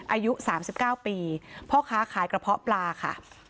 อายุ๓๙ปีพ่อค้าขายกระเพาะปลาค่ะ